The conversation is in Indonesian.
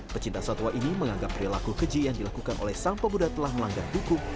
pecinta satwa ini menganggap perilaku keji yang dilakukan oleh sang pemuda telah melanggar hukum